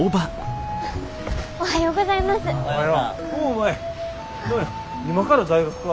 おはようございます。